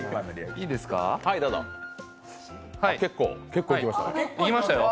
結構いきましたね。